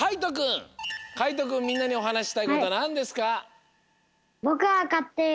かいとくんみんなにおはなししたいことはなんですか？